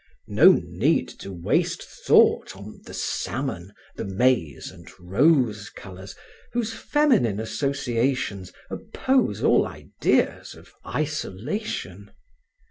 No need to waste thought on the salmon, the maize and rose colors whose feminine associations oppose all ideas of isolation!